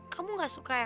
kamu gak suka ya